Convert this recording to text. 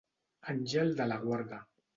Àngel de la guarda.